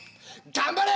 頑張れ！